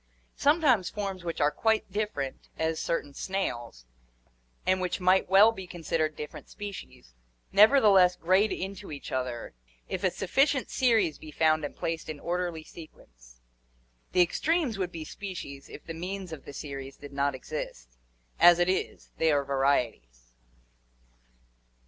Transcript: Sometimes forms which are quite different, as certain snails, and which might well be considered different species, nevertheless grade into each other if a sufficient series be found and placed in 32 ORGANIC EVOLUTION orderly sequence (Fig. 3). The extremes would be species if the means of the series did not exist; as it is, they are varieties.